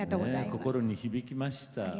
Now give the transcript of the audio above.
心に響きました。